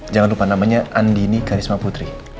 jangan lupa namanya andini karisma putri